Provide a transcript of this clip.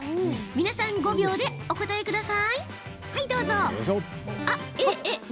皆さん、５秒でお答えください。